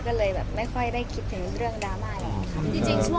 ก็เลยแบบไม่ค่อยได้คิดถึงเรื่องดราม่าแล้วค่ะ